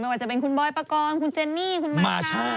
ว่าจะเป็นคุณบอยปกรณ์คุณเจนนี่คุณม้า